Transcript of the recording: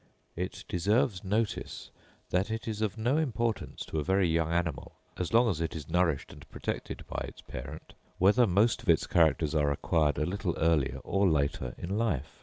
It deserves notice that it is of no importance to a very young animal, as long as it is nourished and protected by its parent, whether most of its characters are acquired a little earlier or later in life.